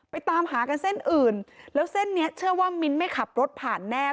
ตามหากันเส้นอื่นแล้วเส้นนี้เชื่อว่ามิ้นไม่ขับรถผ่านแน่